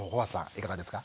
いかがですか？